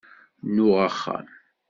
Nuɣ axxam.